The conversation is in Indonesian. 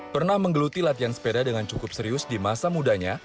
pernah menggeluti latihan sepeda dengan cukup serius di masa mudanya